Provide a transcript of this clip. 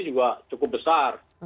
juga cukup besar